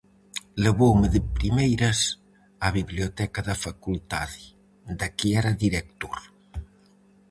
Levoume de primeiras á Biblioteca da Facultade, da que era director.